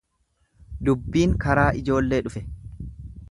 Dubbiin karaa ijoollee dhufe.